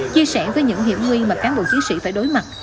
chia sẻ với những hiểu nguyên mà cán bộ chí sĩ phải đối mặt